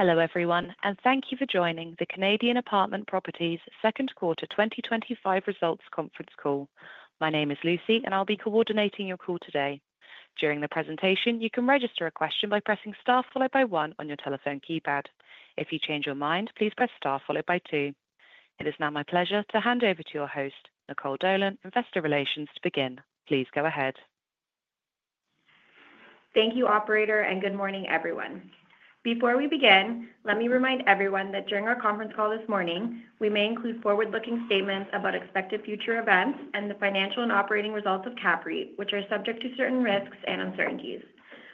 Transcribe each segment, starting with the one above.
Hello everyone, and thank you for joining the Canadian Apartment Properties second quarter 2025 results conference call. My name is Lucy, and I'll be coordinating your call today. During the presentation, you can register a question by pressing star followed by one on your telephone keypad. If you change your mind, please press star followed by two. It is now my pleasure to hand over to your host, Nicole Dolan, Investor Relations, to begin. Please go ahead. Thank you, Operator, and good morning, everyone. Before we begin, let me remind everyone that during our conference call this morning, we may include forward-looking statements about expected future events and the financial and operating results of CAPREIT, which are subject to certain risks and uncertainties.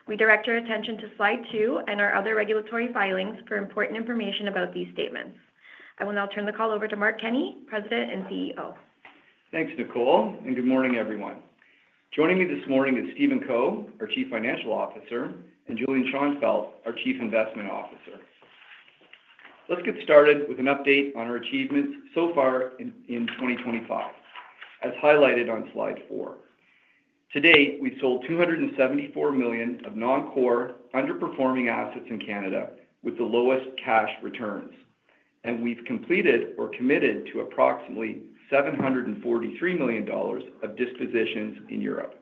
We direct your attention to slide two and our other regulatory filings for important information about these statements. I will now turn the call over to Mark Kenney, President and CEO. Thanks, Nicole, and good morning, everyone. Joining me this morning is Stephen Co, our Chief Financial Officer, and Julian Schonfeldt, our Chief Investment Officer. Let's get started with an update on our achievements so far in 2025, as highlighted on slide four. To date, we've sold 274 million of non-core underperforming assets in Canada, with the lowest cash returns, and we've completed or committed to approximately 743 million dollars of dispositions in Europe.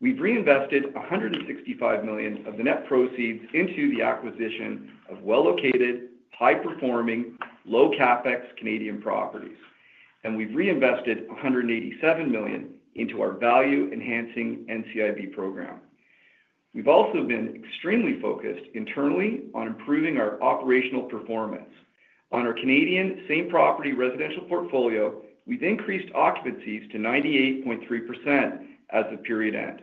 We've reinvested 165 million of the net proceeds into the acquisition of well-located, high-performing, low-CapEx Canadian properties, and we've reinvested 187 million into our value-enhancing NCIB program. We've also been extremely focused internally on improving our operational performance. On our Canadian same-property residential portfolio, we've increased occupancies to 98.3% as of period end,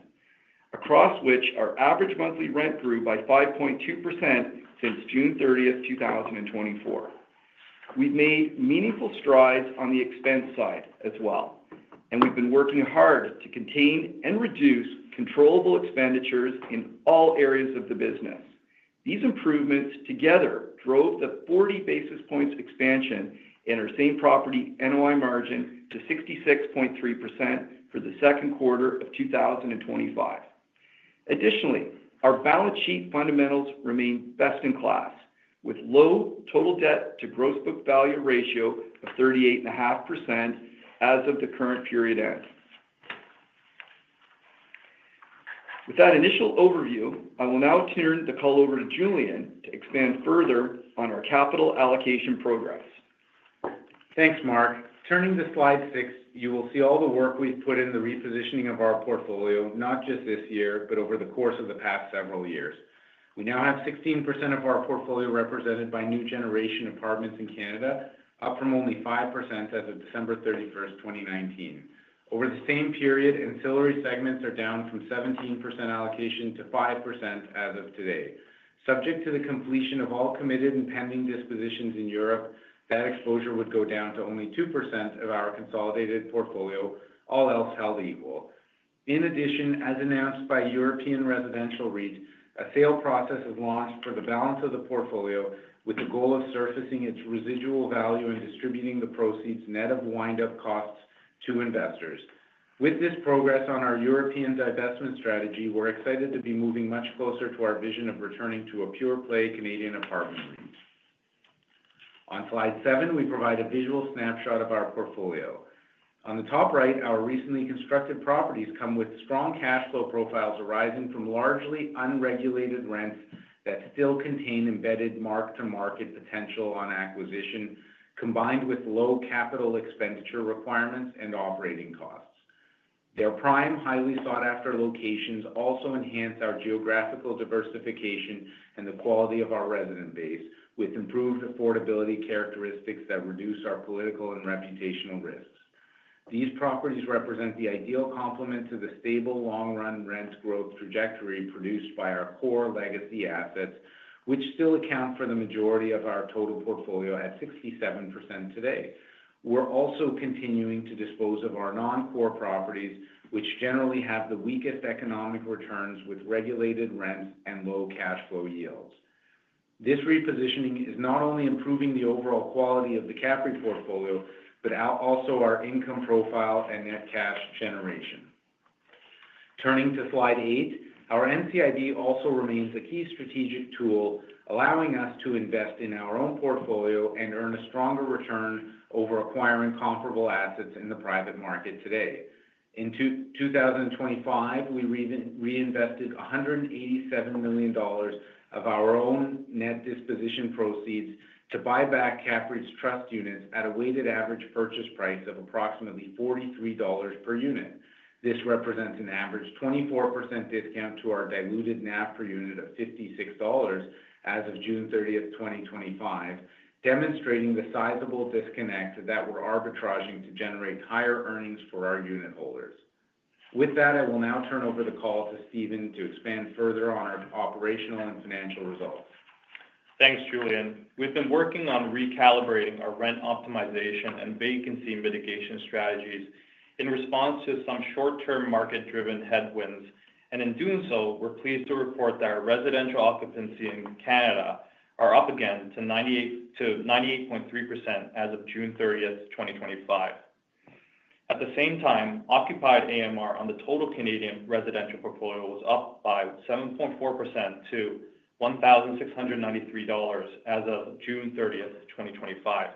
across which our average monthly rent grew by 5.2% since June 30th, 2024. We've made meaningful strides on the expense side as well, and we've been working hard to contain and reduce controllable expenditures in all areas of the business. These improvements together drove the 40 basis points expansion in our same-property NOI margin to 66.3% for the second quarter of 2025. Additionally, our balance sheet fundamentals remain best in class, with low total debt-to-gross book value ratio of 38.5% as of the current period end. With that initial overview, I will now turn the call over to Julian to expand further on our capital allocation programs. Thanks, Mark. Turning to slide six, you will see all the work we've put in the repositioning of our portfolio, not just this year, but over the course of the past several years. We now have 16% of our portfolio represented by new-generation apartments in Canada, up from only 5% as of December 31st, 2019. Over the same period, ancillary segments are down from 17% allocation to 5% as of today. Subject to the completion of all committed and pending dispositions in Europe, that exposure would go down to only 2% of our consolidated portfolio, all else held equal. In addition, as announced by European Residential REIT, a sale process is launched for the balance of the portfolio, with the goal of surfacing its residual value and distributing the proceeds net of wind-up costs to investors. With this progress on our European divestment strategy, we're excited to be moving much closer to our vision of returning to a pure-play Canadian apartment. On slide seven, we provide a visual snapshot of our portfolio. On the top right, our recently constructed properties come with strong cash flow profiles arising from largely unregulated rents that still contain embedded mark-to-market potential on acquisition, combined with low capital expenditure requirements and operating costs. Their prime, highly sought-after locations also enhance our geographical diversification and the quality of our resident base, with improved affordability characteristics that reduce our political and reputational risks. These properties represent the ideal complement to the stable long-run rent growth trajectory produced by our core legacy assets, which still account for the majority of our total portfolio at 67% today. We're also continuing to dispose of our non-core properties, which generally have the weakest economic returns with regulated rents and low cash flow yields. This repositioning is not only improving the overall quality of the CAPREIT portfolio, but also our income profile and net cash generation. Turning to slide eight, our NCIB also remains a key strategic tool, allowing us to invest in our own portfolio and earn a stronger return over acquiring comparable assets in the private market today. In 2025, we reinvested 187 million dollars of our own net disposition proceeds to buy back CAPREIT's trust units at a weighted average purchase price of approximately 43 dollars per unit. This represents an average 24% discount to our diluted NAV per unit of 56 dollars as of June 30th, 2025, demonstrating the sizable disconnect that we're arbitraging to generate higher earnings for our unitholders. With that, I will now turn over the call to Stephen to expand further on our operational and financial results. Thanks, Julian. We've been working on recalibrating our rent optimization and vacancy mitigation strategies in response to some short-term market-driven headwinds, and in doing so, we're pleased to report that our residential occupancy in Canada is up again to 98.3% as of June 30th, 2025. At the same time, occupied AMR on the total Canadian residential portfolio was up by 7.4% to 1,693 dollars as of June 30th, 2025.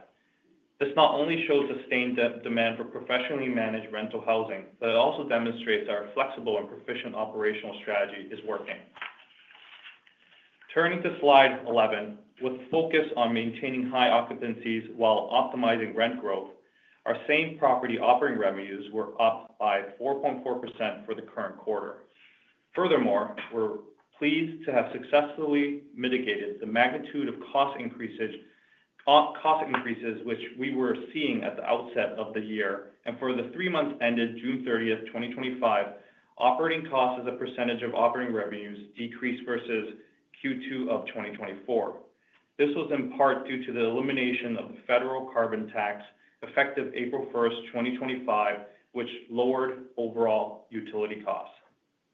This not only shows sustained demand for professionally managed rental housing, but it also demonstrates that our flexible and proficient operational strategy is working. Turning to slide 11, with focus on maintaining high occupancies while optimizing rent growth, our same-property offering revenues were up by 4.4% for the current quarter. Furthermore, we're pleased to have successfully mitigated the magnitude of cost increases which we were seeing at the outset of the year, and for the three months ended June 30th, 2025, operating costs as a percentage of operating revenues decreased versus Q2 of 2024. This was in part due to the elimination of the federal carbon tax effective April 1st, 2025, which lowered overall utility costs.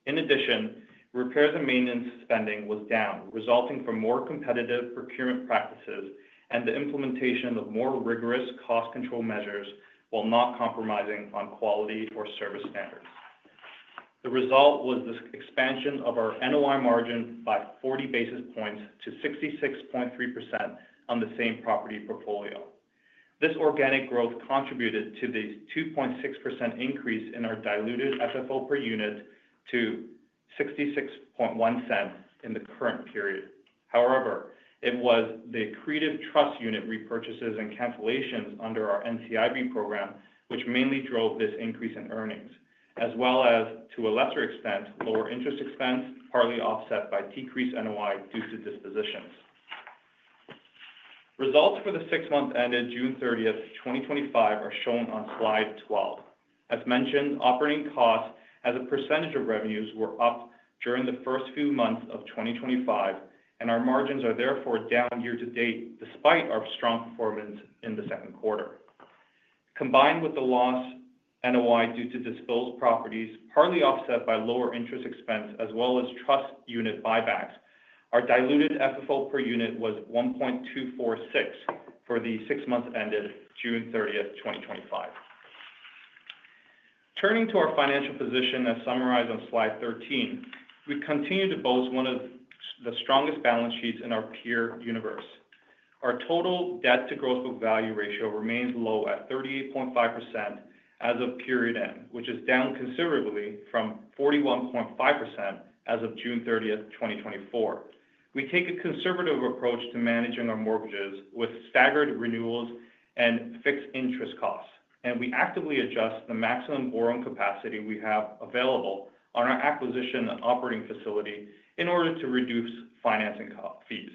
In addition, repairs and maintenance spending was down, resulting from more competitive procurement practices and the implementation of more rigorous cost control measures while not compromising on quality for service standards. The result was the expansion of our NOI margin by 40 basis points to 66.3% on the same-property portfolio. This organic growth contributed to the 2.6% increase in our diluted FFO per unit to 0.661 in the current period. However, it was the accretive trust unit repurchases and cancellations under our NCIB program which mainly drove this increase in earnings, as well as, to a lesser extent, lower interest expense partly offset by decreased NOI due to dispositions. Results for the six months ended June 30th, 2025 are shown on slide 12. As mentioned, operating costs as a percentage of revenues were up during the first few months of 2025, and our margins are therefore down year to date despite our strong performance in the second quarter. Combined with the loss NOI due to disposed properties partly offset by lower interest expense as well as trust unit buybacks, our diluted FFO per unit was 1.246 for the six months ended June 30th, 2025. Turning to our financial position as summarized on slide 13, we continue to boast one of the strongest balance sheets in our peer universe. Our total debt-to-gross book value ratio remains low at 38.5% as of period end, which is down considerably from 41.5% as of June 30th, 2024. We take a conservative approach to managing our mortgages with staggered renewals and fixed interest costs, and we actively adjust the maximum borrowing capacity we have available on our acquisition facility in order to reduce financing fees.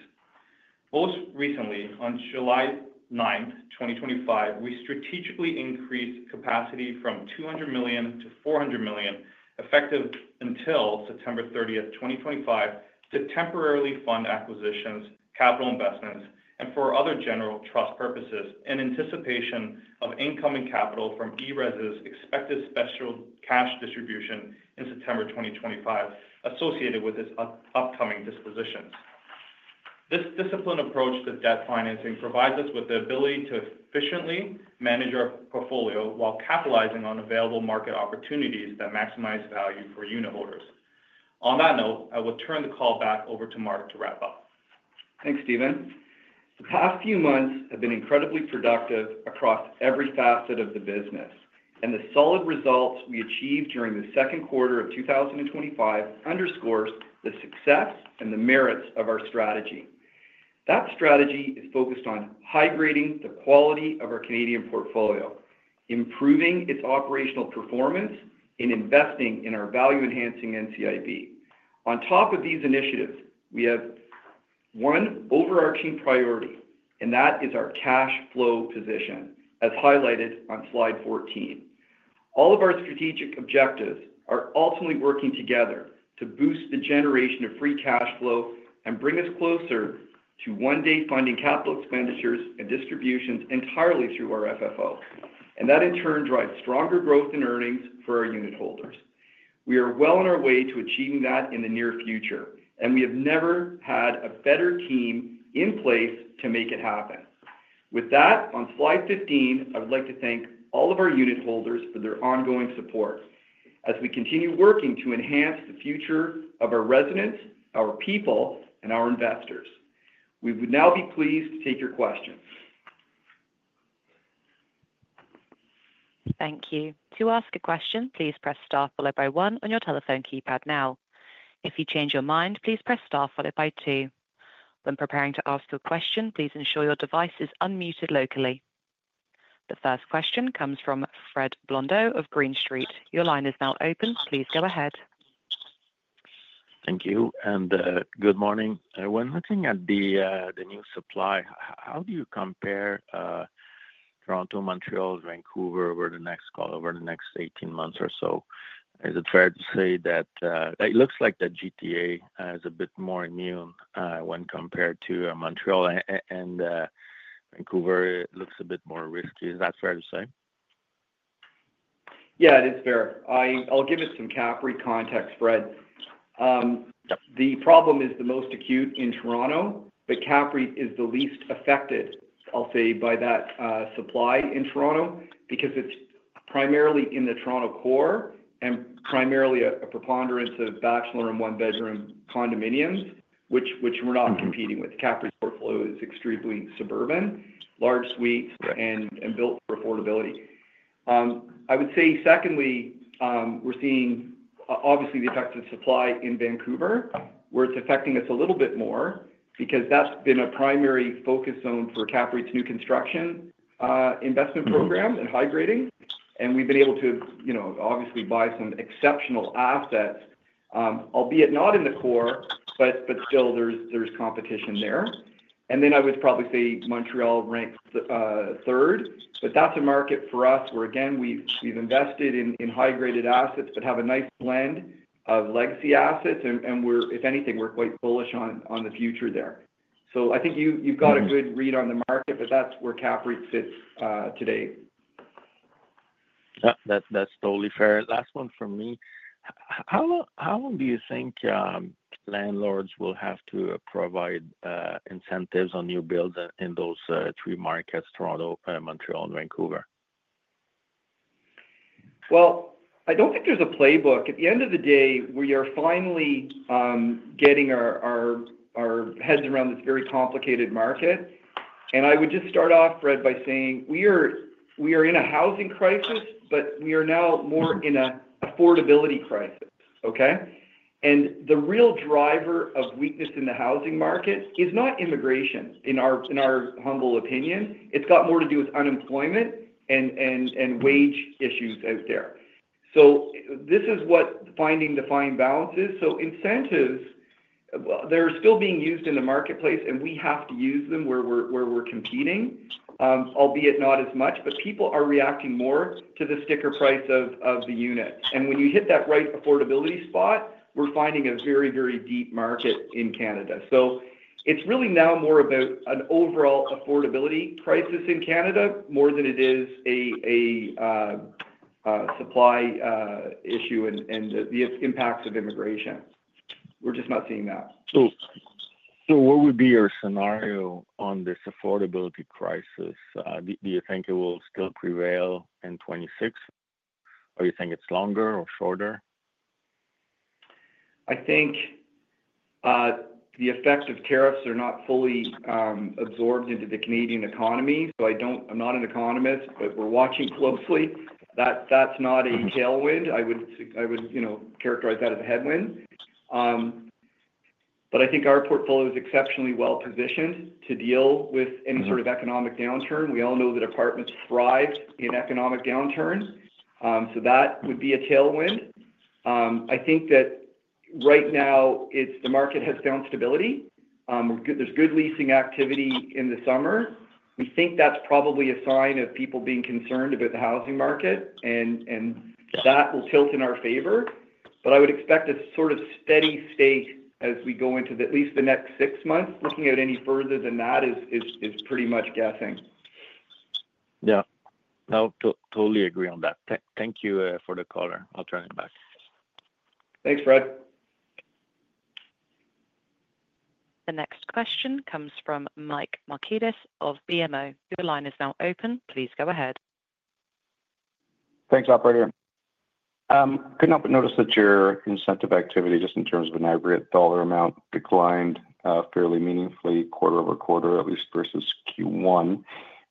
Most recently, on July 9th, 2025, we strategically increased capacity from 200 million-400 million effective until September 30th, 2025, to temporarily fund acquisitions, capital investments, and for other general trust purposes in anticipation of incoming capital from ERES' expected special cash distribution in September 2025 associated with its upcoming dispositions. This disciplined approach to debt financing provides us with the ability to efficiently manage our portfolio while capitalizing on available market opportunities that maximize value for unitholders. On that note, I will turn the call back over to Mark to wrap up. Thanks, Stephen. The past few months have been incredibly productive across every facet of the business, and the solid results we achieved during the second quarter of 2025 underscore the success and the merits of our strategy. That strategy is focused on high grading the quality of our Canadian portfolio, improving its operational performance, and investing in our value-enhancing NCIB. On top of these initiatives, we have one overarching priority, and that is our cash flow position, as highlighted on slide 14. All of our strategic objectives are ultimately working together to boost the generation of free cash flow and bring us closer to one day funding capital expenditures and distributions entirely through our FFO, and that in turn drives stronger growth in earnings for our unitholders. We are well on our way to achieving that in the near future, and we have never had a better team in place to make it happen. With that, on slide 15, I would like to thank all of our unitholders for their ongoing support as we continue working to enhance the future of our residents, our people, and our investors. We would now be pleased to take your questions. Thank you. To ask a question, please press star followed by one on your telephone keypad now. If you change your mind, please press star followed by two. When preparing to ask your question, please ensure your device is unmuted locally. The first question comes from Fred Blondeau of Green Street. Your line is now open. Please go ahead. Thank you, and good morning, everyone. Looking at the new supply, how do you compare Toronto, Montreal, Vancouver over the next 18 months or so? Is it fair to say that it looks like the GTA is a bit more immune when compared to Montreal and Vancouver? It looks a bit more risky. Is that fair to say? Yeah, it is fair. I'll give it some CAPREIT context, Fred. The problem is the most acute in Toronto, but CAPREIT is the least affected, I'll say, by that supply in Toronto because it's primarily in the Toronto core and primarily a preponderance of bachelor and one-bedroom condominiums, which we're not competing with CAPREIT's portfolio is extremely suburban, large suites, and built for affordability. I would say secondly, we're seeing obviously the effects of supply in Vancouver, where it's affecting us a little bit more because that's been a primary focus zone for CAPREIT's new construction investment program and high grading, and we've been able to, you know, obviously buy some exceptional assets, albeit not in the core, but still there's competition there. I would probably say Montreal ranks third, but that's a market for us where, again, we've invested in high-graded assets but have a nice blend of legacy assets, and we're, if anything, we're quite bullish on the future there. I think you've got a good read on the market, but that's where CAPREIT sits today. That's totally fair. Last one from me. How long do you think landlords will have to provide incentives on new builds in those three markets, Toronto, Montreal, and Vancouver? I don't think there's a playbook. At the end of the day, we are finally getting our heads around this very complicated market. I would just start off, Fred, by saying we are in a housing crisis, but we are now more in an affordability crisis, okay? The real driver of weakness in the housing market is not immigration, in our humble opinion. It's got more to do with unemployment and wage issues as there. This is what finding the fine balance is. Incentives are still being used in the marketplace, and we have to use them where we're competing, albeit not as much, but people are reacting more to the sticker price of the unit. When you hit that right affordability spot, we're finding a very, very deep market in Canada. It's really now more about an overall affordability crisis in Canada more than it is a supply issue and its impacts of immigration. We're just not seeing that. What would be your scenario on this affordability crisis? Do you think it will still prevail in 2026, or do you think it's longer or shorter? I think the effects of tariffs are not fully absorbed into the Canadian economy. I am not an economist, but we're watching closely. That's not a tailwind. I would characterize that as a headwind. I think our portfolio is exceptionally well positioned to deal with any sort of economic downturn. We all know that apartments thrived in economic downturns, so that would be a tailwind. I think that right now the market has found stability. There's good leasing activity in the summer. We think that's probably a sign of people being concerned about the housing market, and that will tilt in our favor. I would expect a sort of steady state as we go into at least the next six months. Looking at any further than that is pretty much guessing. Yeah, no, totally agree on that. Thank you for the caller. I'll turn it back. Thanks, Fred. The next question comes from Mike Markidis of BMO. Your line is now open. Please go ahead. Thanks, Operator. I could not notice that your incentive activity, just in terms of an aggregate dollar amount, declined fairly meaningfully, quarter over quarter, at least versus Q1.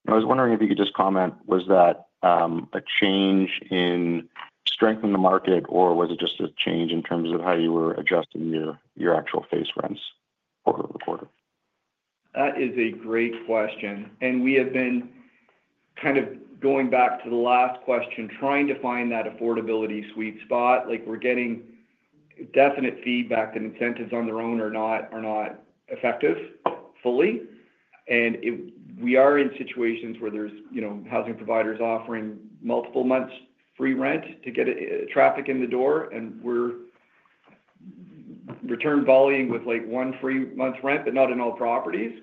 I was wondering if you could just comment, was that a change in strength in the market, or was it just a change in terms of how you were adjusting your actual face rents? That is a great question. We have been kind of going back to the last question, trying to find that affordability sweet spot. We're getting definite feedback that incentives on their own are not effective fully. We are in situations where there are housing providers offering multiple months free rent to get traffic in the door, and we return volume with one free month's rent, but not in all properties.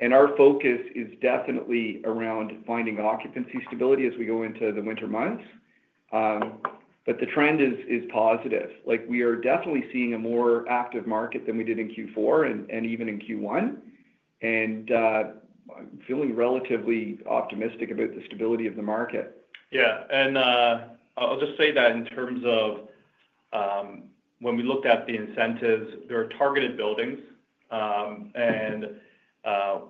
Our focus is definitely around finding occupancy stability as we go into the winter months. The trend is positive. We are definitely seeing a more active market than we did in Q4 and even in Q1, and I'm feeling relatively optimistic about the stability of the market. Yeah, I'll just say that in terms of when we looked at the incentives, they're targeted buildings, and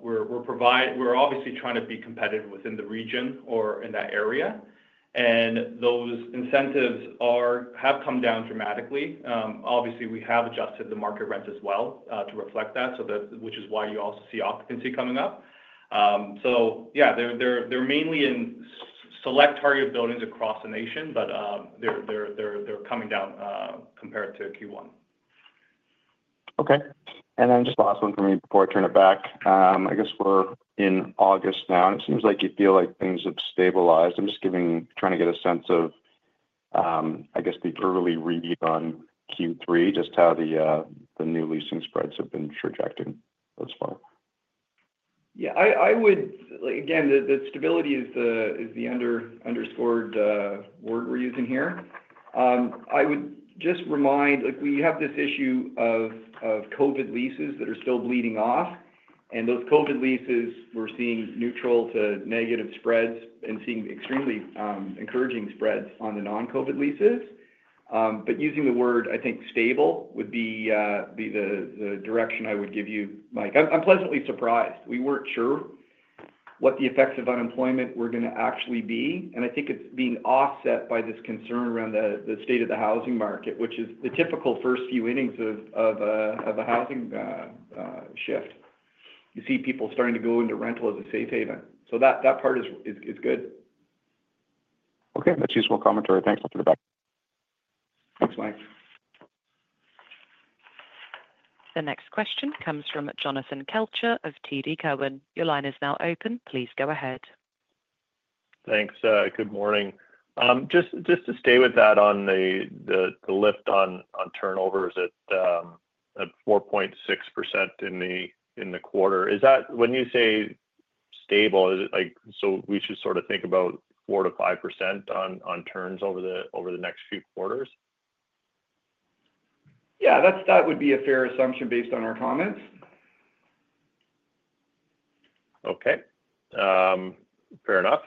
we're obviously trying to be competitive within the region or in that area. Those incentives have come down dramatically. Obviously, we have adjusted the market rents as well to reflect that, which is why you also see occupancy coming up. They're mainly in select targeted buildings across the nation, but they're coming down compared to Q1. Okay. Just the last one for me before I turn it back. I guess we're in August now. It seems like you feel like things have stabilized. I'm just trying to get a sense of, I guess, the early read on Q3, just how the new leasing spreads have been trajected. Yeah, I would, again, that stability is the underscored word we're using here. I would just remind, like we have this issue of COVID leases that are still bleeding off, and those COVID leases we're seeing neutral to negative spreads and seeing extremely encouraging spreads on the non-COVID leases. Using the word, I think, stable would be the direction I would give you, Mike. I'm pleasantly surprised. We weren't sure what the effects of unemployment were going to actually be, and I think it's being offset by this concern around the state of the housing market, which is the typical first few innings of a housing shift. You see people starting to go into rental as a safe haven. That part is good. Okay, just one commentary there. I'll put it back. Thanks, Mike. The next question comes from Jonathan Kelcher of TD Cowen. Your line is now open. Please go ahead. Thanks. Good morning. Just to stay with that on the lift on turnovers at 4.6% in the quarter, is that when you say stable, is it like, so we should sort of think about 4%-5% on turns over the next few quarters? Yeah, that would be a fair assumption based on our comments. Okay. Fair enough.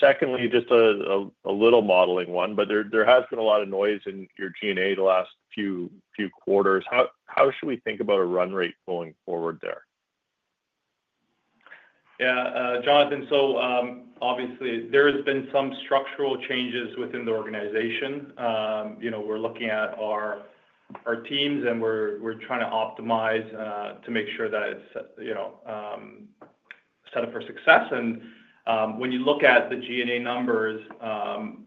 Secondly, just a little modeling one, but there has been a lot of noise in your G&A the last few quarters. How should we think about a run rate going forward there? Yeah, Jonathan, so obviously, there have been some structural changes within the organization. We're looking at our teams, and we're trying to optimize to make sure that it's set up for success. When you look at the G&A numbers,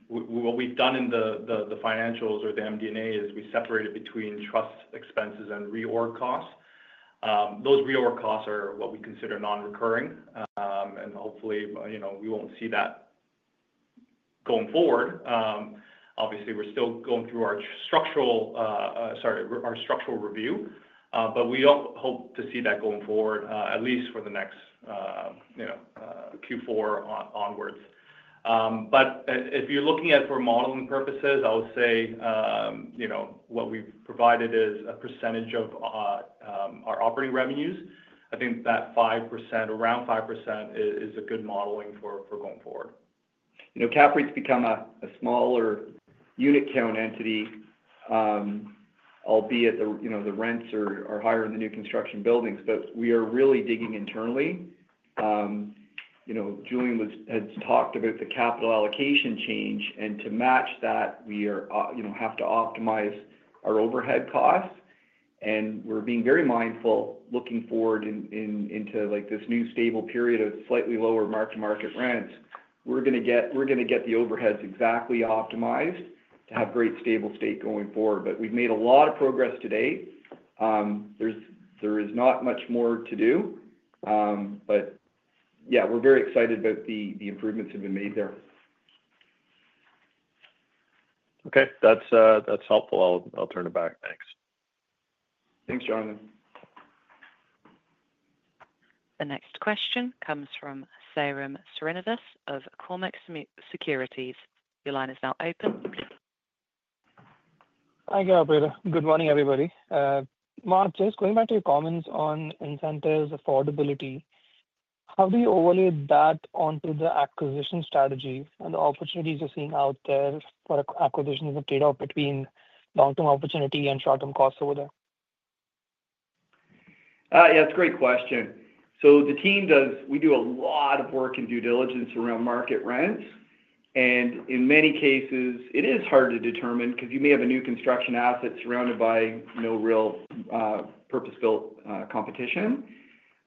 what we've done in the financials or the MD&A is we separated between trust expenses and reorg costs. Those reorg costs are what we consider non-recurring, and hopefully, we won't see that going forward. We're still going through our structural review, but we don't hope to see that going forward, at least for the next, you know, Q4 onwards. If you're looking at it for modeling purposes, I would say what we've provided is a percentage of our operating revenues. I think that 5%, around 5%, is a good modeling for going forward. You know, CAPREIT's become a smaller unit count entity, albeit the rents are higher in the new construction buildings, but we are really digging internally. Julian had talked about the capital allocation change, and to match that, we have to optimize our overhead costs. We're being very mindful looking forward into this new stable period of slightly lower mark-to-market rents. We're going to get the overheads exactly optimized to have great stable state going forward. We've made a lot of progress to date. There is not much more to do. Yeah, we're very excited about the improvements that have been made there. Okay, that's helpful. I'll turn it back. Thanks. Thanks, Jonathan. The next question comes from Sarim Serenidis of Cormark Securities. Your line is now open. Hi, Operator. Good morning, everybody. Mark, just going back to your comments on incentives, affordability, how do you overlay that onto the acquisition strategy and the opportunities you're seeing out there for acquisitions of data between long-term opportunity and short-term costs over there? Yeah, that's a great question. The team does a lot of work and due diligence around market rents, and in many cases, it is hard to determine because you may have a new construction asset surrounded by no real purpose-built competition.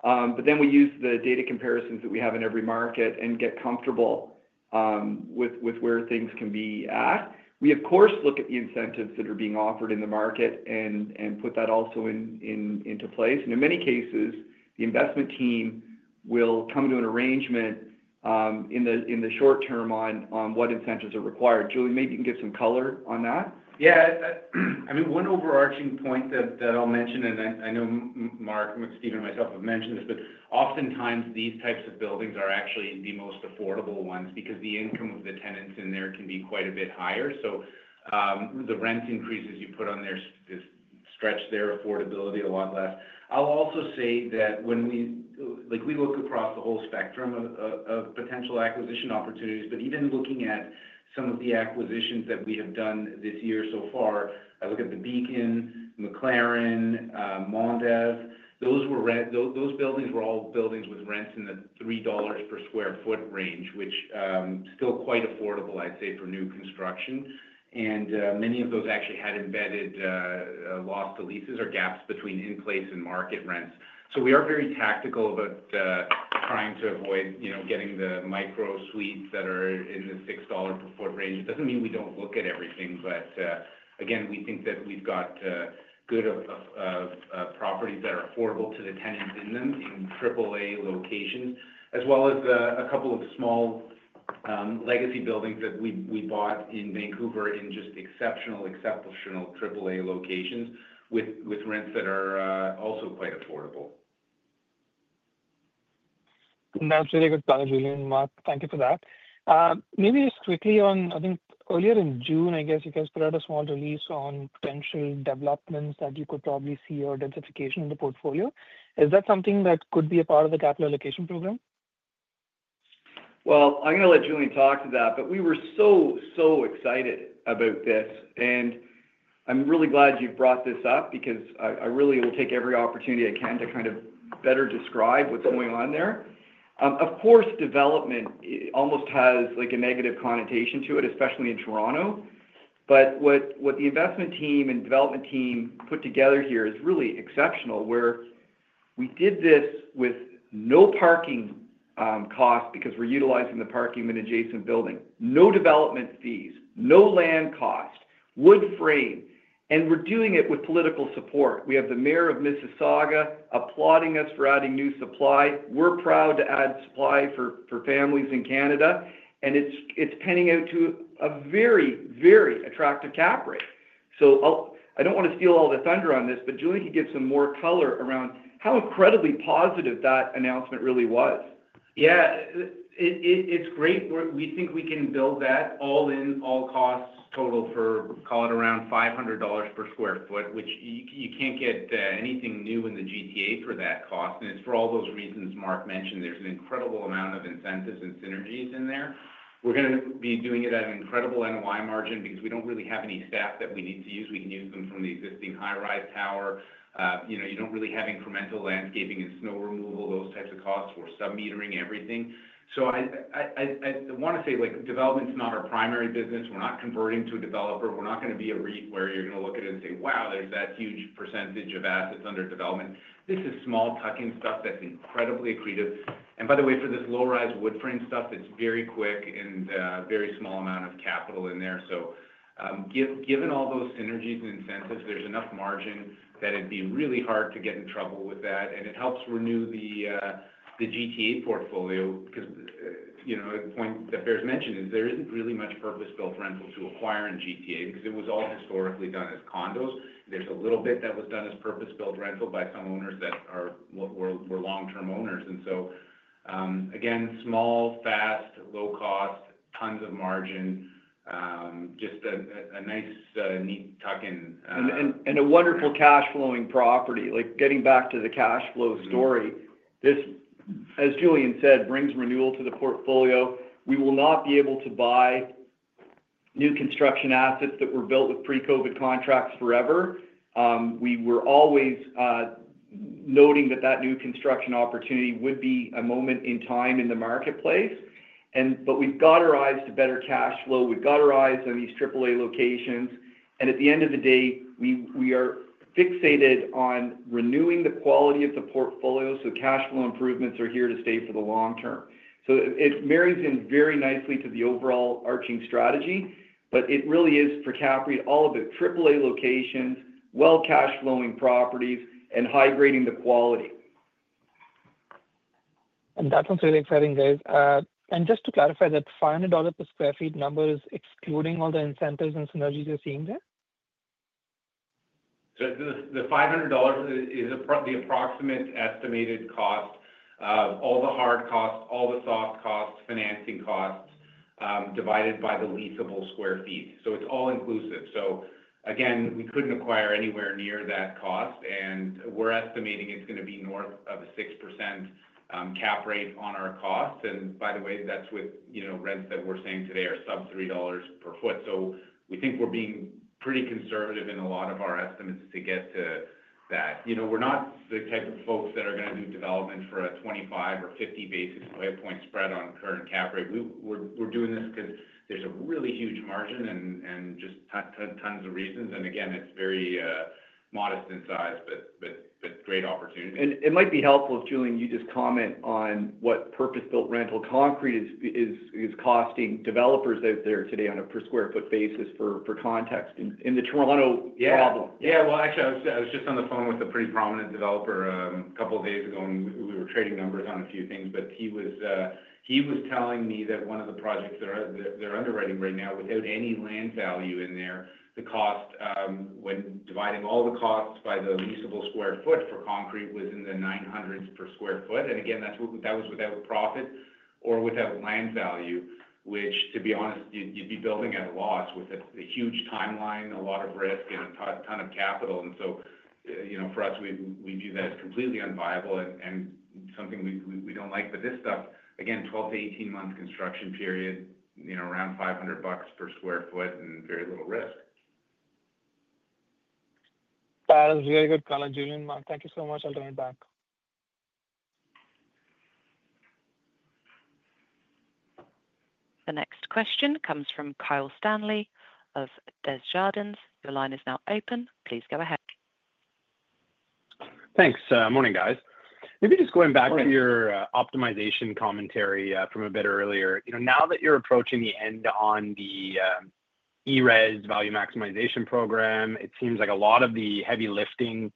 We use the data comparisons that we have in every market and get comfortable with where things can be at. We, of course, look at the incentives that are being offered in the market and put that also into place. In many cases, the investment team will come to an arrangement in the short term on what incentives are required. Julian, maybe you can give some color on that. Yeah. I mean, one overarching point that I'll mention, and I know Mark, Stephen, and myself have mentioned this, but oftentimes, these types of buildings are actually the most affordable ones because the income of the tenants in there can be quite a bit higher. The rent increases you put on there stretch their affordability a lot less. I'll also say that we look across the whole spectrum of potential acquisition opportunities, but even looking at some of the acquisitions that we have done this year so far, I look at the Beacon, McLaren, Mondev. Those buildings were all buildings with rents in the 3 dollars per square foot range, which is still quite affordable, I'd say, for new construction. Many of those actually had embedded lost leases or gaps between in-place and market rents. We are very tactical about trying to avoid getting the micro suites that are in the 6 dollar per foot range. It doesn't mean we don't look at everything, but again, we think that we've got good properties that are affordable to the tenants in them, even AAA locations, as well as a couple of small legacy buildings that we bought in Vancouver in just exceptional, exceptional AAA locations with rents that are also quite affordable. That's really good conversation, Mark. Thank you for that. Maybe just quickly on, I think earlier in June, I guess you guys put out a small release on potential developments that you could probably see or densification in the portfolio. Is that something that could be a part of the capital allocation program? I'm going to let Julian talk to that, but we were so, so excited about this. I'm really glad you've brought this up because I really will take every opportunity I can to kind of better describe what's going on there. Of course, development almost has a negative connotation to it, especially in Toronto. What the investment team and development team put together here is really exceptional, where we did this with no parking costs because we're utilizing the parking in an adjacent building, no development fees, no land cost, wood frame, and we're doing it with political support. We have the Mayor of Mississauga applauding us for adding new supply. We're proud to add supply for families in Canada. It's penning out to a very, very attractive cap rate. I don't want to steal all the thunder on this, but Julian, if you could give some more color around how incredibly positive that announcement really was. Yeah, it's great. We think we can build that all in, all costs total for, call it around 500 dollars per square foot, which you can't get anything new in the GTA for that cost. It's for all those reasons Mark mentioned. There's an incredible amount of incentives and synergies in there. We're going to be doing it at an incredible NOI margin because we don't really have any staff that we need to use. We can use them from the existing high-rise tower. You don't really have incremental landscaping and snow removal, those types of costs for sub-metering, everything. I want to say like development's not our primary business. We're not converting to a developer. We're not going to be a REIT where you're going to look at it and say, "Wow, there's that huge percentage of assets under development." This is small tuck-in stuff that's incredibly accretive. By the way, for this low-rise wood-frame stuff, it's very quick and a very small amount of capital in there. Given all those synergies and incentives, there's enough margin that it'd be really hard to get in trouble with that. It helps renew the GTA portfolio because the point that bears mentioning is there isn't really much purpose-built rental to acquire in GTA because it was all historically done as condos. There's a little bit that was done as purpose-built rental by some owners that were long-term owners. Again, small, fast, low cost, tons of margin, just a nice, neat tuck-in. A wonderful cash-flowing property. Getting back to the cash flow story, this, as Julian said, brings renewal to the portfolio. We will not be able to buy new construction assets that were built with pre-COVID contracts forever. We were always noting that new construction opportunity would be a moment in time in the marketplace. We've got our eyes to better cash flow. We've got our eyes on these AAA locations. At the end of the day, we are fixated on renewing the quality of the portfolio. Cash flow improvements are here to stay for the long term. It marries in very nicely to the overall arching strategy, but it really is for CAPREIT all about AAA locations, well-cash-flowing properties, and high grading the quality. That sounds really exciting, guys. Just to clarify, that 500 dollars per square foot number is excluding all the incentives and synergies you're seeing there? The 500 dollars is the approximate estimated cost of all the hard costs, all the soft costs, financing costs divided by the leasable square feet. It's all inclusive. We couldn't acquire anywhere near that cost. We're estimating it's going to be north of a 6% cap rate on our costs. By the way, that's with rents that we're saying today are sub 3 dollars per foot. We think we're being pretty conservative in a lot of our estimates to get to that. We're not the type of folks that are going to do development for a 25 or 50 basis point spread on a current cap rate. We're doing this because there's a really huge margin and just tons of reasons. It's very modest in size, but great opportunity. It might be helpful, Julian, if you just comment on what purpose-built rental concrete is costing developers as they're today on a per square foot basis for context in the Toronto problem. Yeah. Actually, I was just on the phone with a pretty prominent developer a couple of days ago, and we were trading numbers on a few things. He was telling me that one of the projects they're underwriting right now, without any land value in there, the cost when dividing all the costs by the leasable square foot for concrete was in the 900 per square foot. That was without a profit or without land value, which, to be honest, you'd be building at a loss with a huge timeline, a lot of risk, and a ton of capital. For us, we view that as completely unviable and something we don't like. This stuff, again, 12 months-18 months construction period, around 500 bucks per square foot and very little risk. That was a very good call, Julian. Mark, thank you so much. I'll turn it back. The next question comes from Kyle Stanley of Desjardins. Your line is now open. Please go ahead. Thanks. Morning, guys. Maybe just going back to your optimization commentary from a bit earlier. Now that you're approaching the end on the ERES value maximization program, it seems like a lot of the heavy lifting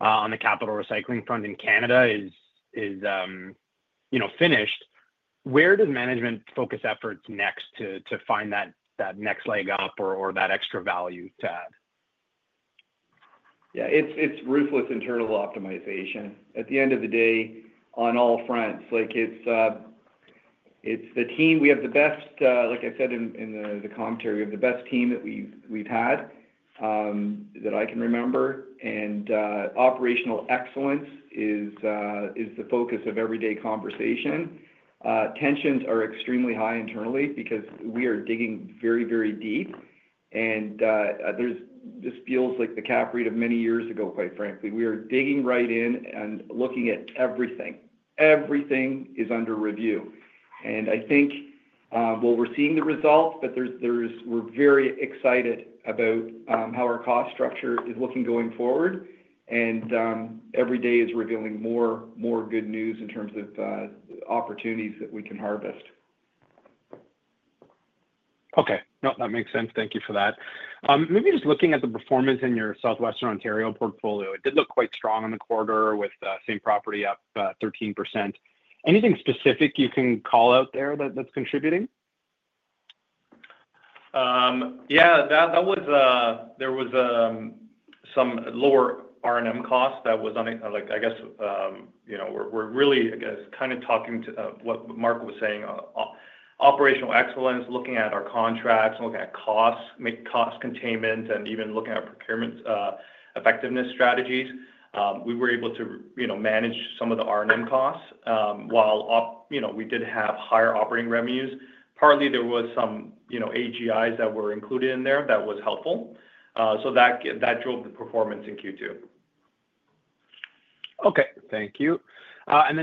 on the capital recycling front in Canada is finished. Where does management focus efforts next to find that next leg up or that extra value to add? Yeah, it's ruthless internal optimization. At the end of the day, on all fronts, like it's the team we have the best, like I said in the commentary, we have the best team that we've had that I can remember. Operational excellence is the focus of everyday conversation. Tensions are extremely high internally because we are digging very, very deep. This feels like the CAPREIT of many years ago, quite frankly. We are digging right in and looking at everything. Everything is under review. I think we're seeing the results, but we're very excited about how our cost structure is looking going forward. Every day is revealing more good news in terms of opportunities that we can harvest. Okay. No, that makes sense. Thank you for that. Maybe just looking at the performance in your Southwestern Ontario portfolio, it did look quite strong in the quarter with the same property up 13%. Anything specific you can call out there that's contributing? Yeah, there were some lower R&M costs that was on it. Like, I guess, you know, we're really, I guess, kind of talking to what Mark was saying, operational excellence, looking at our contracts and looking at costs, cost containment, and even looking at procurement effectiveness strategies. We were able to manage some of the R&M costs while we did have higher operating revenues. Partly, there were some, you know, AGIs that were included in there that were helpful. That drove the performance in Q2. Okay. Thank you.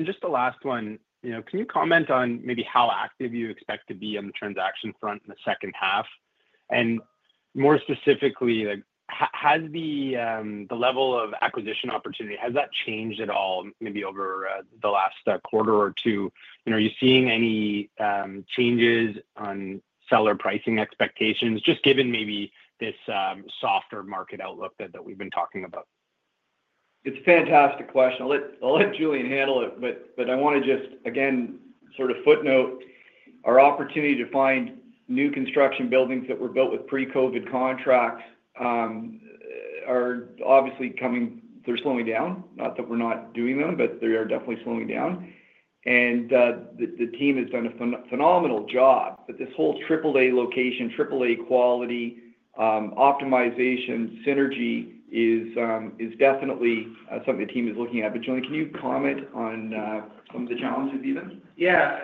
Just the last one, can you comment on maybe how active you expect to be on the transaction front in the second half? More specifically, has the level of acquisition opportunity changed at all maybe over the last quarter or two? Are you seeing any changes on seller pricing expectations, just given maybe this softer market outlook that we've been talking about? It's a fantastic question. I'll let Julian handle it. I want to just, again, sort of footnote our opportunity to find new construction buildings that were built with pre-COVID contracts are obviously coming, they're slowing down. Not that we're not doing them, they are definitely slowing down. The team has done a phenomenal job. This whole AAA location, AAA quality, optimization, synergy is definitely something the team is looking at. Julian, can you comment on some of the challenges even? Yeah.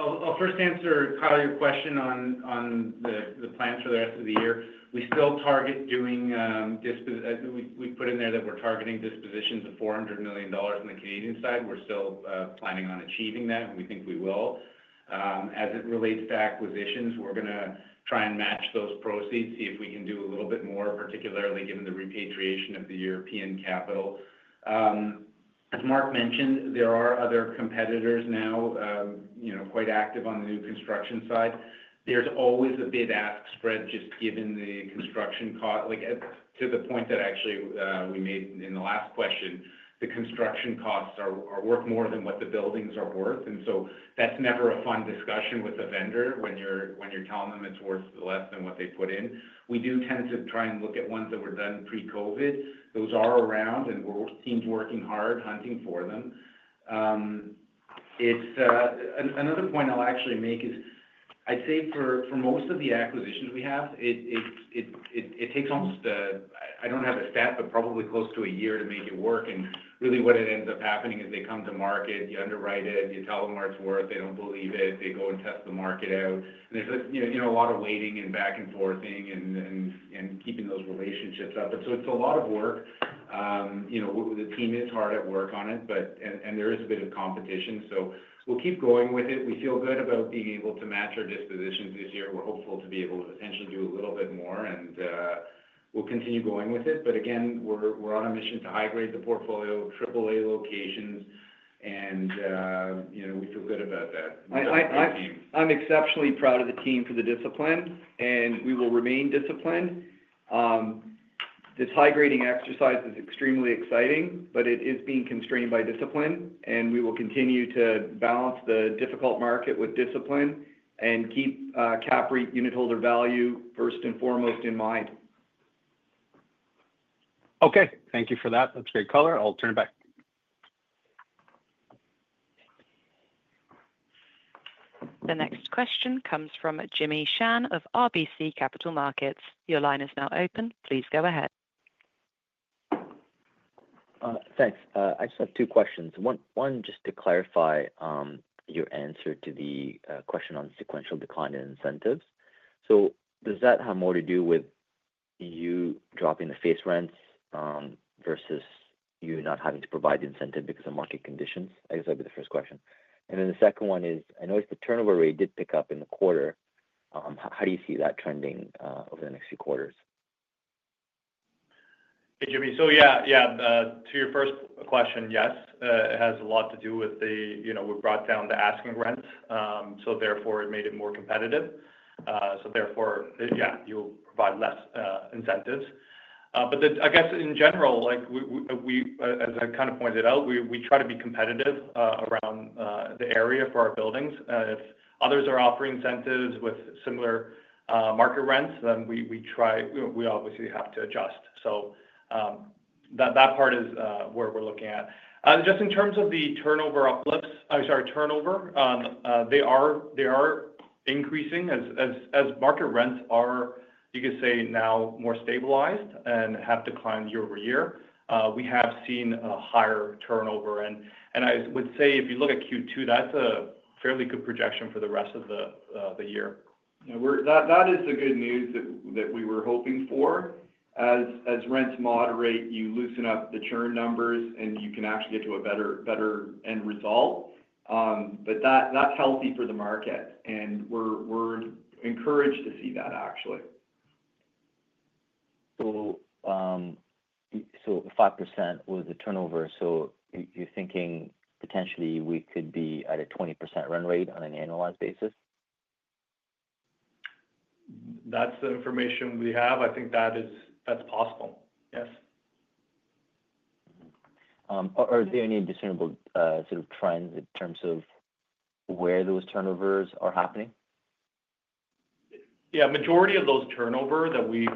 I'll first answer, Kyle, your question on the plans for the rest of the year. We still target doing, as we put in there, that we're targeting dispositions of 400 million dollars on the Canadian side. We're still planning on achieving that, and we think we will. As it relates to acquisitions, we're going to try and match those proceeds, see if we can do a little bit more, particularly given the repatriation of the European capital. As Mark mentioned, there are other competitors now, you know, quite active on the new construction side. There's always a bid-ask spread just given the construction cost, like to the point that actually we made in the last question. The construction costs are worth more than what the buildings are worth. That's never a fun discussion with a vendor when you're telling them it's worth less than what they put in. We do tend to try and look at ones that were done pre-COVID. Those are around, and our team's working hard hunting for them. Another point I'll actually make is I'd say for most of the acquisitions we have, it takes almost, I don't have a stat, but probably close to a year to make it work. Really what ends up happening is they come to market, you underwrite it, and you tell them what it's worth. They don't believe it. They go and test the market out. There's a lot of waiting and back and forth and keeping those relationships up. It's a lot of work. The team is hard at work on it, but there is a bit of competition. We'll keep going with it. We feel good about being able to match our dispositions this year. We're hopeful to be able to potentially do a little bit more, and we'll continue going with it. We're on a mission to high grade the portfolio, AAA locations, and you know, we feel good about that. I'm exceptionally proud of the team for the discipline, and we will remain disciplined. This high-grading exercise is extremely exciting, but it is being constrained by discipline, and we will continue to balance the difficult market with discipline and keep CAPREIT unitholder value first and foremost in mind. Okay. Thank you for that. That's a great caller. I'll turn it back. The next question comes from Jimmy Shan of RBC Capital Markets. Your line is now open. Please go ahead. Thanks.Q I just have two questions. One, just to clarify your answer to the question on sequential decline in incentives. Does that have more to do with you dropping the face rents versus you not having to provide the incentive because of market conditions? I guess that would be the first question. The second one is, I know the turnover rate did pick up in the quarter. How do you see that trending over the next few quarters? Hey, Jimmy. To your first question, yes, it has a lot to do with the, you know, we brought down the asking rent. Therefore, it made it more competitive. Therefore, you'll buy less incentives. I guess in general, like I kind of pointed out, we try to be competitive around the area for our buildings. If others are offering incentives with similar market rents, then we obviously have to adjust. That part is where we're looking at. In terms of the turnover uplifts, I'm sorry, turnover, they are increasing as market rents are, you could say, now more stabilized and have declined year-over-year. We have seen a higher turnover. I would say if you look at Q2, that's a fairly good projection for the rest of the year. That is the good news that we were hoping for. As rents moderate, you loosen up the churn numbers, and you can actually get to a better end result. That is healthy for the market. We're encouraged to see that, actually. 5% was the turnover. You're thinking potentially we could be at a 20% run rate on an annualized basis? That's the information we have. I think that's possible. Yes. Are there any discernible sort of trends in terms of where those turnovers are happening? Yeah, the majority of those turnover that we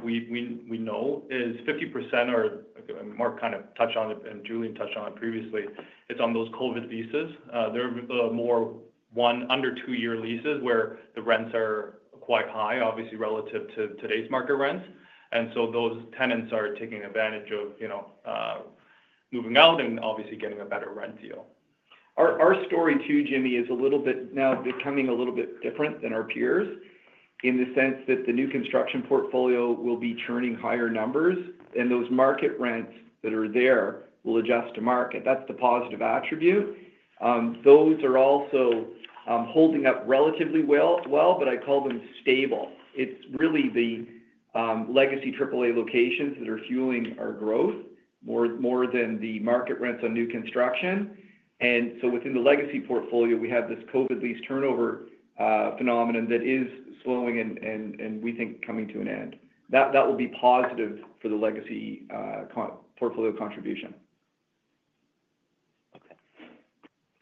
know is 50% are, and Mark kind of touched on it, and Julian touched on it previously, it's on those COVID leases. They're more one under two-year leases where the rents are quite high, obviously, relative to today's market rents. Those tenants are taking advantage of, you know, moving out and obviously getting a better rent deal. Our story, too, Jimmy, is a little bit now becoming a little bit different than our peers in the sense that the new construction portfolio will be churning higher numbers, and those market rents that are there will adjust to market. That's the positive attribute. Those are also holding up relatively well, but I call them stable. It's really the legacy AAA locations that are fueling our growth more than the market rents on new construction. Within the legacy portfolio, we have this COVID lease turnover phenomenon that is slowing and we think coming to an end. That will be positive for the legacy portfolio contribution.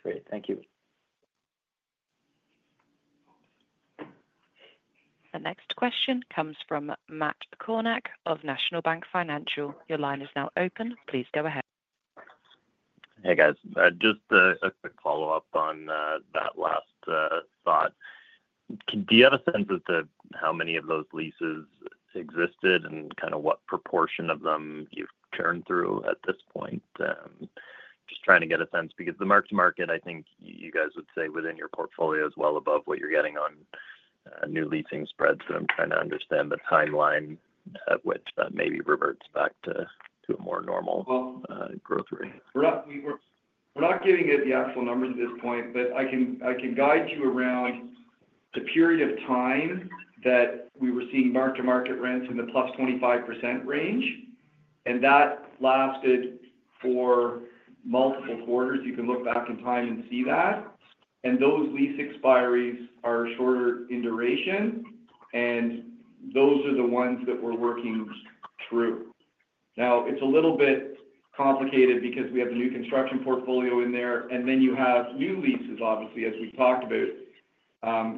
Great. Thank you. The next question comes from Matt Kornack of National Bank Financial. Your line is now open. Please go ahead. Hey guys, just a quick follow-up on that last thought. Do you have a sense of how many of those leases existed and kind of what proportion of them you've churned through at this point? Just trying to get a sense because the mark-to-market, I think you guys would say within your portfolio is well above what you're getting on new leasing spreads. I'm trying to understand the timeline of what maybe reverts back to a more normal growth rate. We're not giving the actual number at this point, but I can guide you around the period of time that we were seeing mark-to-market rents in the +25% range. That lasted for multiple quarters. You can look back in time and see that. Those lease expiries are shorter in duration, and those are the ones that we're working through now. It's a little bit complicated because we have the new construction portfolio in there, and then you have new leases, obviously, as we've talked about,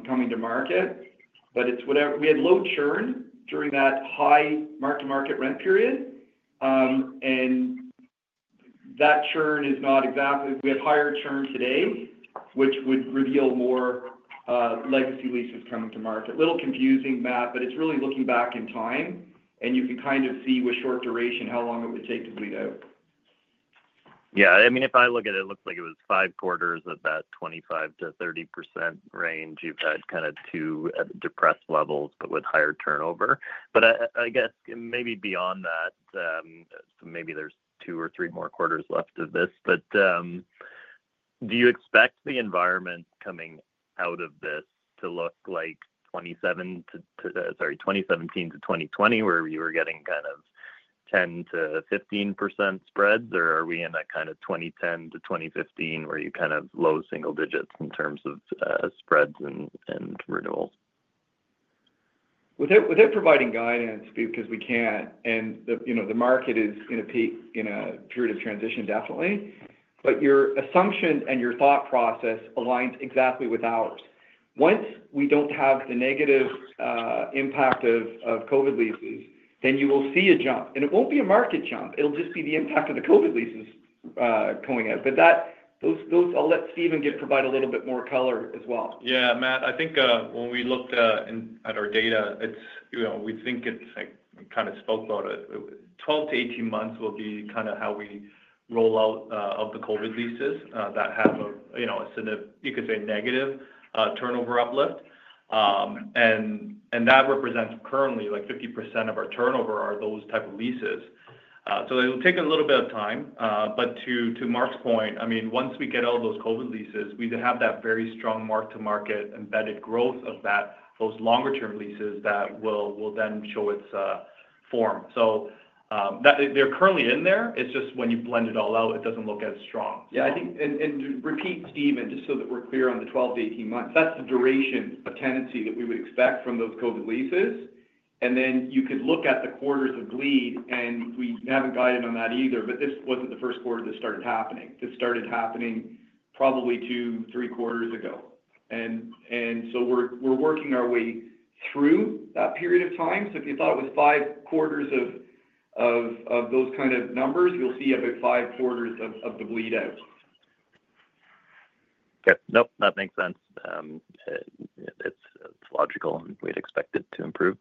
coming to market. We had low churn during that high mark-to-market rent period. That churn is not exactly—we have higher churn today, which would reveal more legacy leases coming to market. A little confusing, Matt, but it's really looking back in time, and you can kind of see with short duration how long it would take to bleed out. Yeah. I mean, if I look at it, it looks like it was five quarters of that 25%-30% range. You've had kind of two depressed levels, with higher turnover. I guess maybe beyond that, maybe there's two or three more quarters left of this. Do you expect the environment coming out of this to look like 2017 to 2020, where you were getting kind of 10%-15% spreads? Or are we in a kind of 2010 to 2015 where you had low single digits in terms of spreads and renewals? Without providing guidance, because we can't, and you know the market is in a period of transition, definitely. Your assumption and your thought process aligns exactly with ours. Once we don't have the negative impact of COVID leases, you will see a jump. It won't be a market jump. It will just be the impact of the COVID leases going out. I'll let Stephen provide a little bit more color as well. Yeah, Matt. I think when we looked at our data, it's, you know, we think it's like we kind of spoke about it. Twelve to eighteen months will be kind of how we roll out of the COVID leases that have a, you know, a, you could say, negative turnover uplift. That represents currently like 50% of our turnover are those types of leases. It will take a little bit of time. To Mark's point, once we get all those COVID leases, we have that very strong mark-to-market embedded growth of those longer-term leases that will then show its form. They're currently in there. When you blend it all out, it doesn't look as strong. Yeah, I think, Stephen, just so that we're clear on the 12 months-18 months, that's the duration of tenancy that we would expect from those COVID leases. You could look at the quarters of bleed, and we haven't gotten in on that either, but this wasn't the first quarter this started happening. This started happening probably two, three quarters ago, and we're working our way through that period of time. If you thought it was five quarters of those kind of numbers, you'll see about five quarters of the bleed out. Okay. That makes sense. It's logical, and we'd expect it to improve.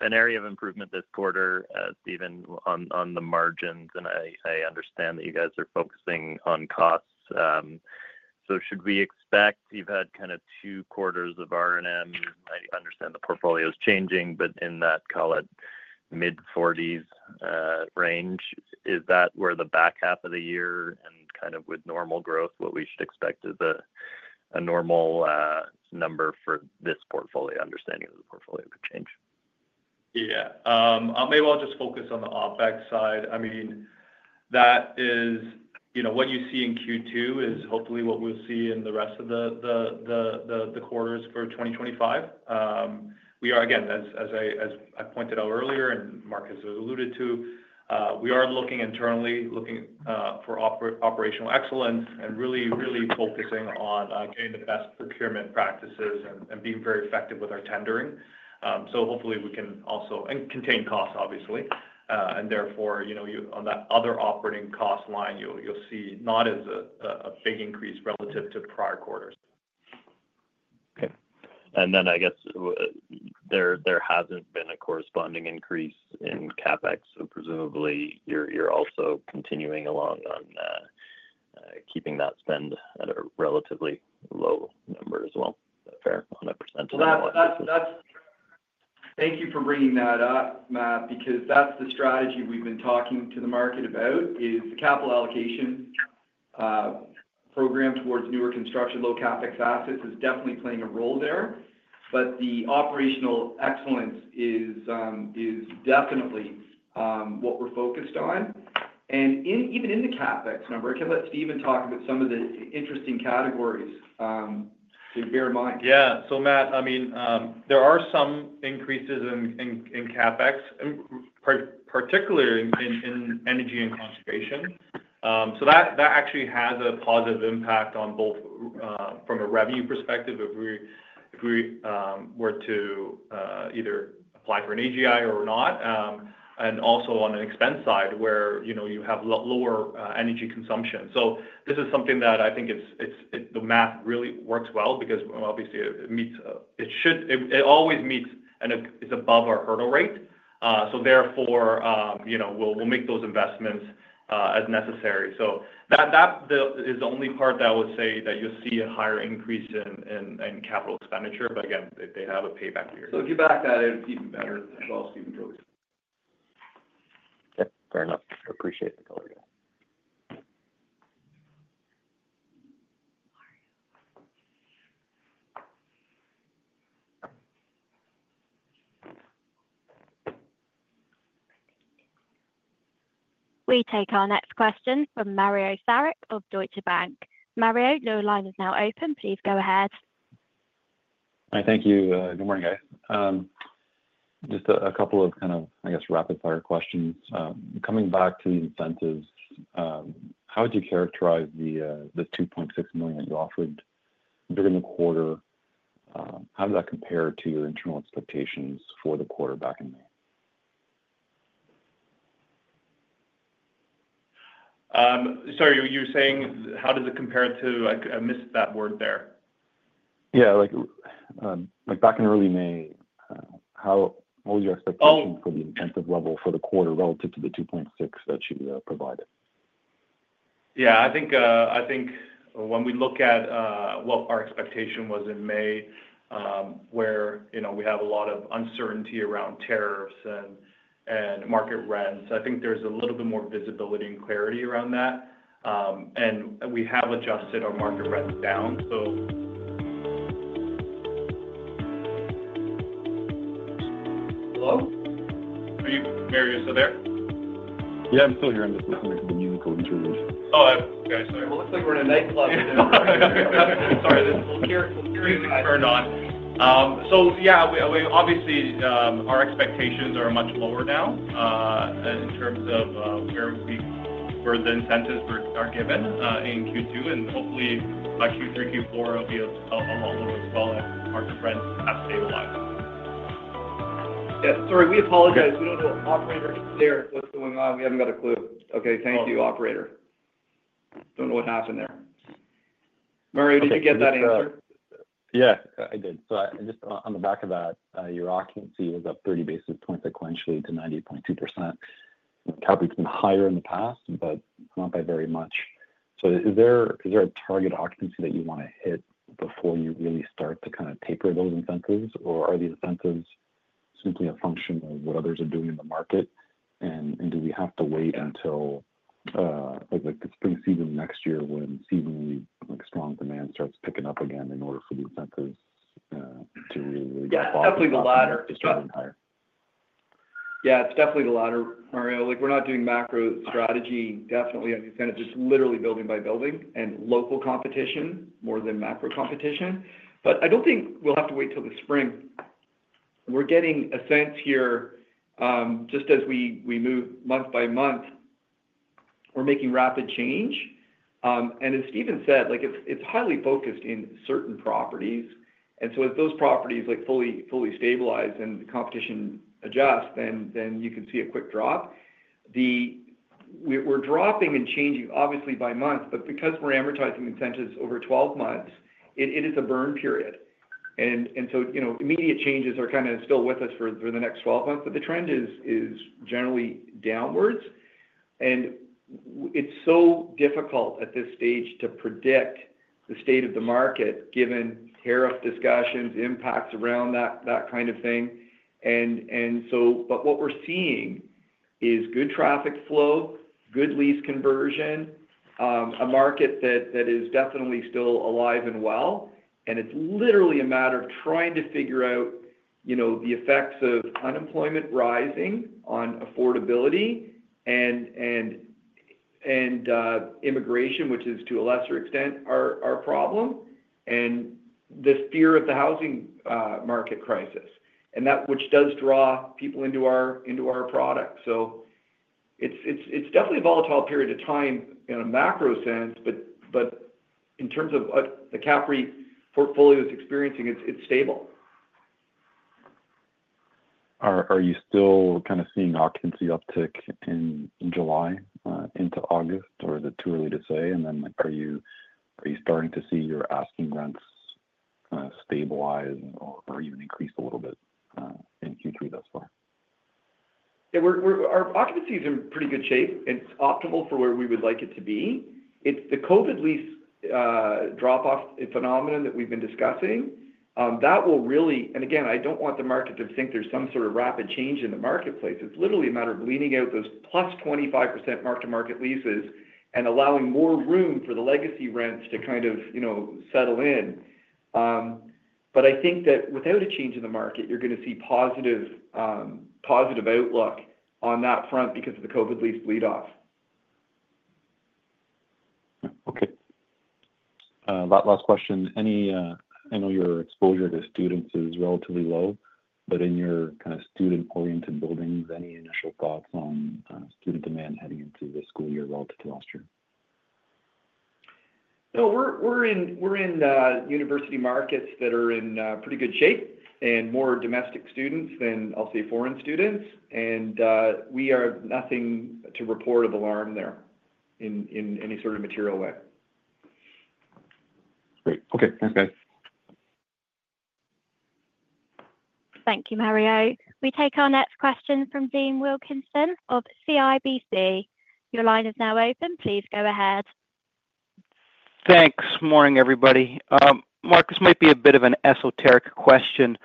An area of improvement this quarter, Stephen, on the margins, and I understand that you guys are focusing on costs. Should we expect you've had kind of two quarters of R&M? I understand the portfolio is changing, but in that, call it, mid-40% range, is that where the back half of the year and with normal growth, what we should expect is a normal number for this portfolio, understanding that the portfolio could change? Maybe I'll just focus on the OpEx side. I mean, that is, you know, what you see in Q2 is hopefully what we'll see in the rest of the quarters for 2025. We are, again, as I pointed out earlier, and Mark has alluded to, we are looking internally, looking for operational excellence and really, really focusing on getting the best procurement practices and being very effective with our tendering. Hopefully, we can also contain costs, obviously. Therefore, on that other operating cost line, you'll see not as a big increase relative to prior quarters. Okay. I guess there hasn't been a corresponding increase in CapEx, so presumably, you're also continuing along on keeping that spend relatively low, number as well, a fair amount of percentage. Thank you for bringing that up, Matt, because that's the strategy we've been talking to the market about. The capital allocation program towards newer construction, low CapEx assets is definitely playing a role there. The operational excellence is definitely what we're focused on. Even in the CapEx number, I can let Stephen talk about some of the interesting categories to bear in mind. Yeah. Matt, I mean, there are some increases in CapEx, particularly in energy and conservation. That actually has a positive impact both from a revenue perspective if we were to either apply for an AGI or not, and also on an expense side where you have lower energy consumption. This is something that I think the math really works well because obviously it meets, it should, it always meets and is above our hurdle rate. Therefore, you know, we'll make those investments as necessary. That is the only part that I would say that you'll see a higher increase in capital expenditure. Again, they have a payback. Give back that. It's even better. That's all Stephen drove it. Okay. Fair enough. I appreciate the call, guys. We take our next question from Mario Saric of Deutsche Bank. Mario, your line is now open. Please go ahead. Hi. Thank you. Good morning, guys. Just a couple of kind of, I guess, rapid-fire questions. Coming back to the incentives, how would you characterize the 2.6 million that you offered during the quarter? How did that compare to your internal expectations for the quarter back in May? Sorry, you were saying, how does it compare to—I missed that word there. Yeah. Like back in early May, what was your expectation for the incentive level for the quarter relative to the 2.6 million that you provided? Yeah. I think when we look at what our expectation was in May, where you know we have a lot of uncertainty around tariffs and market rents, I think there's a little bit more visibility and clarity around that. We have adjusted our market rent down. Hello? Are you, Mario still there? Yeah, I'm still here. I'm just listening to the musical instruments. Oh, okay. Sorry. It looks like we're in a nightclub. Sorry. You'll hear the music turned on. Our expectations are much lower now in terms of where we've heard the incentives are given in Q2, and hopefully, Q3, Q4, it'll be a lot lower as well if market rents have stabilized. Sorry. We apologize. We don't know. Operator, what's going on? We haven't got a clue. Thank you, Operator. I don't know what happened there. Mario, did you get that answer? Yeah, I did. Just on the back of that, your occupancy is up 30 basis points sequentially to 90.2%. It's been higher in the past, but not by very much. Is there a target occupancy that you want to hit before you really start to kind of taper those incentives, or are the incentives seeking a function of what others are doing in the market? Do we have to wait until the spring season next year when seasonally strong demand starts picking up again in order for the incentives to get? Yeah, it's definitely the latter, Mario. We're not doing macro strategy. Definitely, I mean, kind of just literally building by building and local competition more than macro competition. I don't think we'll have to wait till the spring. We're getting a sense here, just as we move month by month, we're making rapid change. As Stephen said, it's highly focused in certain properties. As those properties fully stabilize and the competition adjusts, then you can see a quick drop. We're dropping and changing, obviously, by month, but because we're amortizing incentives over 12 months, it is a burn period. Immediate changes are kind of still with us for the next 12 months, but the trend is generally downwards. It's so difficult at this stage to predict the state of the market given tariff discussions, impacts around that kind of thing. What we're seeing is good traffic flow, good lease conversion, a market that is definitely still alive and well. It's literally a matter of trying to figure out the effects of unemployment rising on affordability and immigration, which is to a lesser extent our problem, and the fear of the housing market crisis, and that which does draw people into our product. It's definitely a volatile period of time in a macro sense, but in terms of the CAPREIT portfolio's experiencing, it's stable. Are you still kind of seeing occupancy uptick in July into August, or is it too early to say? Are you starting to see your asking rents stabilize or even increase a little bit in Q3 thus far? Yeah. Our occupancy is in pretty good shape. It's optimal for where we would like it to be. It's the COVID lease drop-off phenomenon that we've been discussing. That will really, I don't want the market to think there's some sort of rapid change in the marketplace. It's literally a matter of leaning out those plus 25% mark-to-market leases and allowing more room for the legacy rents to kind of settle in. I think that without a change in the market, you're going to see positive outlook on that front because of the COVID lease bleed-off. Okay. Last question. I know your exposure to students is relatively low, but in your kind of student-oriented buildings, any initial thoughts on kind of student demand heading into this school year relative to last year? No, we're in university markets that are in pretty good shape, and more domestic students than I'll say foreign students. We have nothing to report of alarm there in any sort of material way. Great. Okay. Thanks, guys. Thank you, Mario. We take our next question from Dean Wilkinson of CIBC. Your line is now open. Please go ahead. Thanks. Morning, everybody. Mark, this might be a bit of an esoteric question.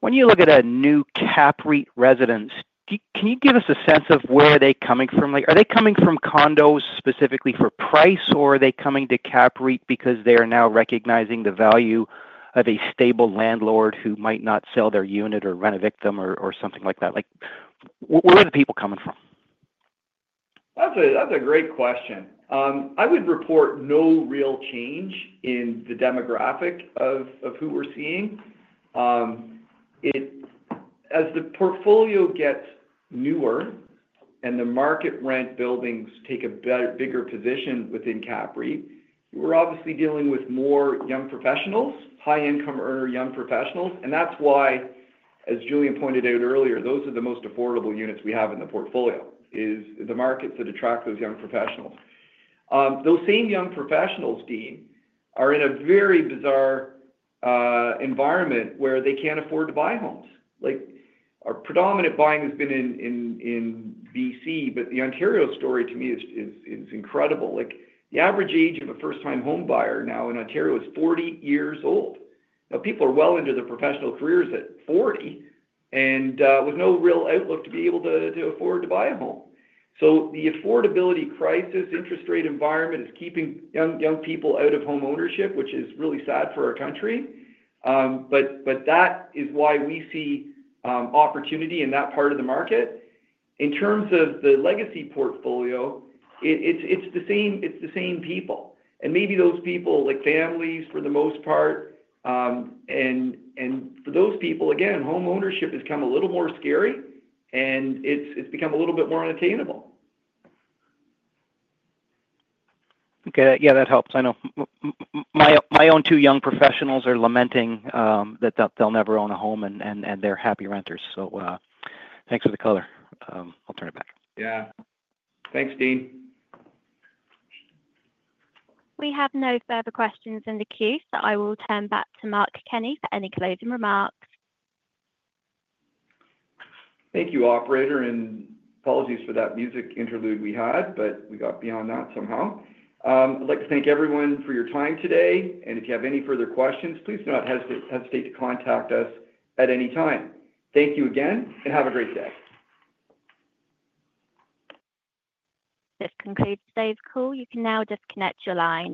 When you look at a new CAPREIT residence, can you give us a sense of where are they coming from? Like, are they coming from condos specifically for price, or are they coming to CAPREIT because they are now recognizing the value of a stable landlord who might not sell their unit or rent evict them or something like that? Like, where are the people coming from? That's a great question. I would report no real change in the demographic of who we're seeing. As the portfolio gets newer and the market rent buildings take a bigger position within CAPREIT, we're obviously dealing with more young professionals, high-income earner young professionals. That is why, as Julian pointed out earlier, those are the most affordable units we have in the portfolio, the markets that attract those young professionals. Those same young professionals, Dean, are in a very bizarre environment where they can't afford to buy homes. Our predominant buying has been in BC, but the Ontario story to me is incredible. The average age of a first-time home buyer now in Ontario is 40 years old. People are well into their professional careers at 40 and with no real outlook to be able to afford to buy a home. The affordability crisis, interest rate environment is keeping young people out of home ownership, which is really sad for our country. That is why we see opportunity in that part of the market. In terms of the legacy portfolio, it's the same people, maybe those people, like families, for the most part. For those people, again, home ownership has become a little more scary, and it's become a little bit more unattainable. Okay. Yeah, that helps. I know my own two young professionals are lamenting that they'll never own a home, and they're happy renters. Thanks for the caller. I'll turn it back. Yeah, thanks, Dean. We have no further questions in the queue, so I will turn back to Mark Kenney for any closing remarks. Thank you, Operator, and apologies for that music interlude we had, but we got beyond that somehow. I'd like to thank everyone for your time today. If you have any further questions, please do not hesitate to contact us at any time. Thank you again, and have a great day. This concludes today's call. You can now disconnect your line.